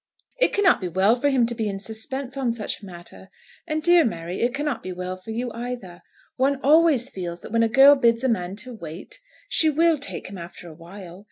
"It cannot be well for him to be in suspense on such a matter; and, dear Mary, it cannot be well for you either. One always feels that when a girl bids a man to wait, she will take him after a while.